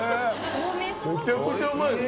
めちゃくちゃうまい。